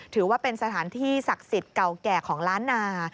ถือว่าเป็นสถานที่ศักดิ์สิทธิ์เก่าแก่ของล้านนา